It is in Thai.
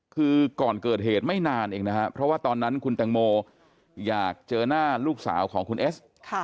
คือก่อนเกิดเหตุไม่นานเองนะครับเพราะว่าตอนนั้นคุณแตงโมอยากเจอหน้าลูกสาวของคุณเอส